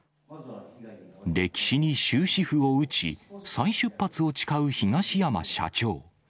歴史に終止符を打ち、再出発を誓う東山社長。